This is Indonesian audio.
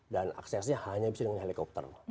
dan aksesnya hanya bisa dengan helikopter